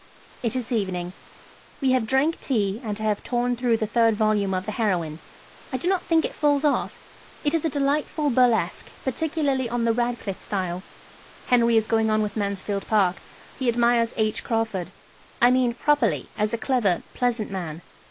It is evening. We have drank tea, and I have torn through the third vol. of the "Heroine." I do not think it falls off. It is a delightful burlesque, particularly on the Radcliffe style. Henry is going on with "Mansfield Park." He admires H. Crawford: I mean properly, as a clever, pleasant man.